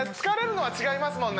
疲れるのは違います